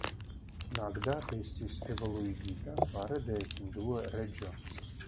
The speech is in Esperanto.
Nagda estis evoluigita fare de hindua reĝo.